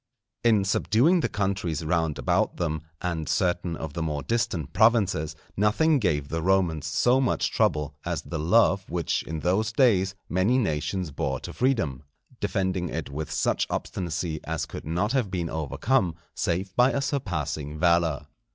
_ In subduing the countries round about them, and certain of the more distant provinces, nothing gave the Romans so much trouble, as the love which in those days many nations bore to freedom, defending it with such obstinacy as could not have been overcome save by a surpassing valour.